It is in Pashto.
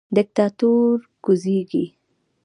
دیکتاتور کوزیږي